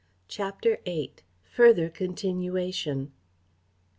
Chapter viii. _Further continuation.